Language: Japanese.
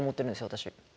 私。